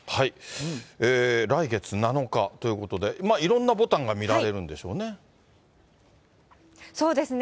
来月７日ということで、いろんなぼたんが見られるんでしょうそうですね。